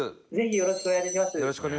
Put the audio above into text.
「よろしくお願いします」